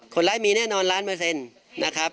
คนร้ายมีแน่นอนล้านเปอร์เซ็นต์นะครับ